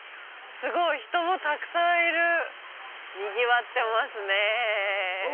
すごい人もたくさんいるにぎわってますね